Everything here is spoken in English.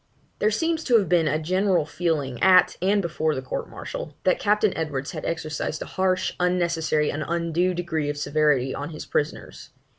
There seems to have been a general feeling at and before the court martial, that Captain Edwards had exercised a harsh, unnecessary, and undue degree of severity on his prisoners.